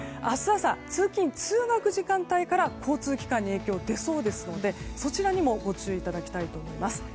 朝、通勤・通学時間帯から交通機関に影響が出そうですのでそちらにもご注意いただきたいと思います。